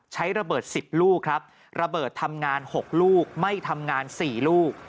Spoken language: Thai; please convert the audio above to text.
ใช้ระเบิด๑๐ลูกครับระเบิดทำงาน๖ลูกไม่ทำงาน๔ลูก